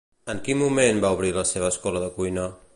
En quin moment va obrir la seva escola de cuina?